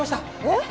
えっ！？